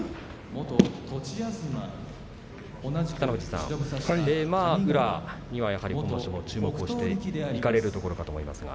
北の富士さん、宇良には注目していかれるところだと思いますが。